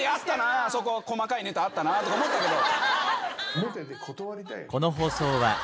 あそこ細かいネタあったなとか思ったけど。